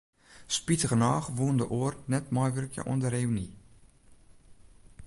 Spitigernôch woene de oaren net meiwurkje oan de reüny.